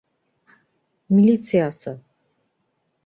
- Милициясы?!